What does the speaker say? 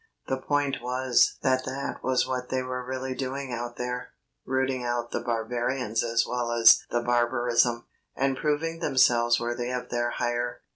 The point was that that was what they were really doing out there rooting out the barbarians as well as the barbarism, and proving themselves worthy of their hire.